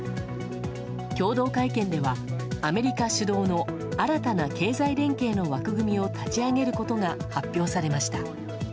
共同会見ではアメリカ主導の新たな経済連携の枠組みを立ち上げることが発表されました。